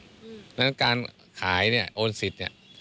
ดังนั้นการขายเนี่ยโอนสิทธิ์เนี่ย